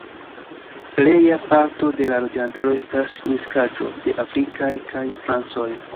Pleja parto de la loĝantaro estas miksaĵo de afrikaj kaj francoj.